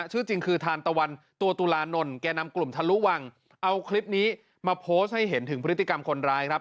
ชื่อจริงคือทานตะวันตัวตุลานนท์แก่นำกลุ่มทะลุวังเอาคลิปนี้มาโพสต์ให้เห็นถึงพฤติกรรมคนร้ายครับ